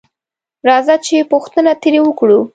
راځه چې پوښتنه تري وکړو